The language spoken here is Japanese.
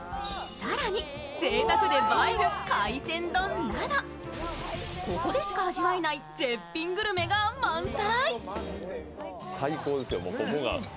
更に、ぜいたくで映える海鮮丼などここでしか味わえない絶品グルメが満載。